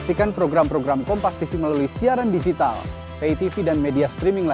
ya ngumpul bareng bareng